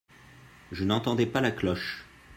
je n'entendais pas la cloche.